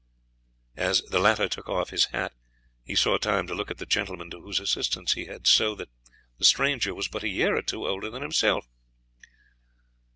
As the latter took off his hat he saw time to look at the gentleman to whose assistance he had so that the stranger was but a year or two older than himself.